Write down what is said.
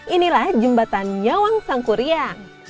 inilah jembatan nyawang sangkuriang